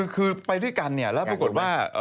คือไปด้วยกันเนี่ยแล้วปรากฏว่า